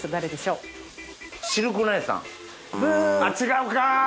あっ違うか！